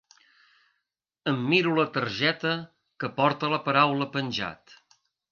Em miro la targeta que porta la paraula penjat.